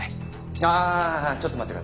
ああちょっと待ってください。